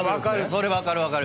それ分かる分かる。